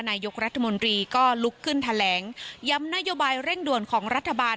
นายกรัฐมนตรีก็ลุกขึ้นแถลงย้ำนโยบายเร่งด่วนของรัฐบาล